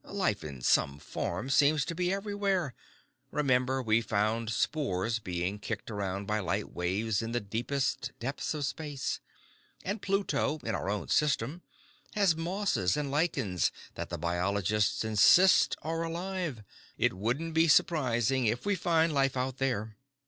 Life, in some form, seems to be everywhere. Remember we found spores being kicked around by light waves in the deepest depths of space. And Pluto, in our own system, has mosses and lichens that the biologists insist are alive. It won't be surprising if we find life out there."